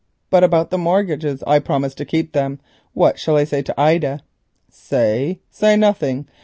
"But about the mortgages? I promised to keep them. What shall I say to Ida?" "Say? Say nothing.